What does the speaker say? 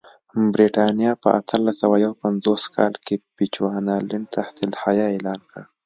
برېټانیا په اتلس سوه یو پنځوس کال کې بچوانالنډ تحت الحیه اعلان کړ.